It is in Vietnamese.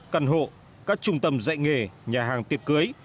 căn hộ các trung tâm dạy nghề nhà hàng tiệc cưới